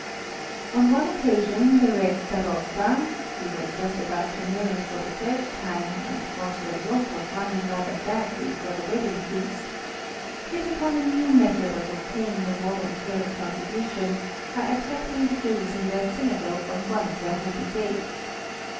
On one occasion the Red Starosta (he was just about to marry for the third time, and wanted a lot of money rather badly for the wedding feast) hit upon a new method of obtaining a voluntary contribution by attacking the Jews in their synagogue on one of their holy days.